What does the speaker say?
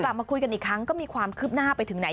กลับมาคุยกันอีกครั้งก็มีความคืบหน้าไปถึงไหน